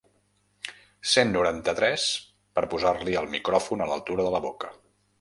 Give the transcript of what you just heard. Cent noranta-tres per posar-li el micròfon a l'altura de la boca.